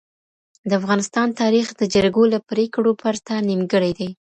د افغانستان تاریخ د جرګو له پریکړو پرته نیمګړی دی.